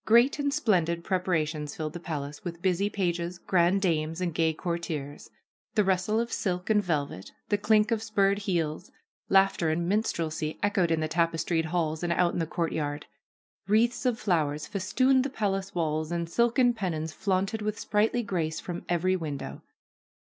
Great and splendid preparations filled the palace with busy pages, grand dames and gay cour 58 THE PRINCESS AND THE CUP BEARER tiers. The rustle of silk and velvet, the clink of spurred heels, laughter and minstrelsy echoed in the tapestried halls and out in the courtyard. Wreathes of flowers fes tooned the palace walls and silken pennons flaunted with sprightly grace from every window.